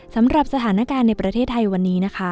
สำหรับสถานการณ์ในประเทศไทยวันนี้นะคะ